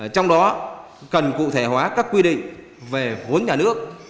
trong đó cần cụ thể hóa các quy định về vốn nhà nước